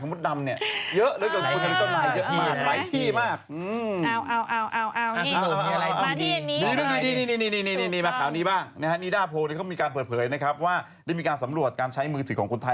นี่มาข่าวนี้บ้างนิด้าโพลเขามีการเปิดเผยนะครับว่าได้มีการสำรวจการใช้มือถือของคนไทย